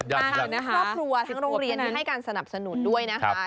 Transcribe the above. ทางครอบครัวทั้งโรงเรียนให้การสนับสนุนด้วยนะคะ